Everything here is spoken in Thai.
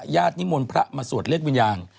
นิมนต์พระมาสวดเรียกวิญญาณ